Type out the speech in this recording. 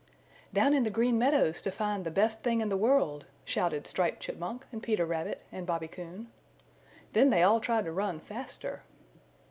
"Down in the Green Meadows to find the Best Thing in the World!" shouted Striped Chipmunk and Peter Rabbit and Bobby Coon. Then they all tried to run faster.